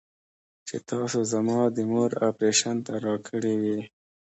چې تاسو زما د مور اپرېشن ته راكړې وې.